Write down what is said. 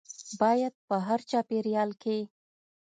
باید په هر چاپیریال کې